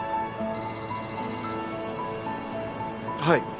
はい。